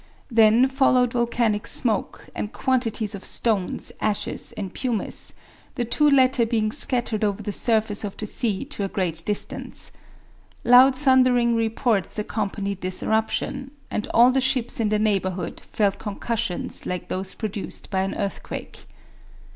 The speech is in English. Then followed volcanic smoke, and quantities of stones, ashes, and pumice; the two latter being scattered over the surface of the sea to a great distance. Loud thundering reports accompanied this eruption, and all the ships in the neighborhood felt concussions like those produced by an earthquake.